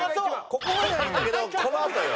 ここまではいいんだけどこのあとよ。